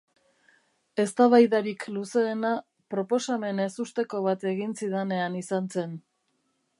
Eztabaidarik luzeena proposamen ezusteko bat egin zidanean izan zen.